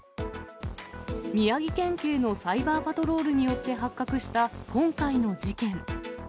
宮城県警のサイバーパトロールによって発覚した今回の事件。